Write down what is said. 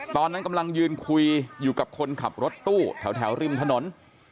ตอนนั้นกำลังยืนคุยอยู่กับคนขับรถตู้แถวริมถนน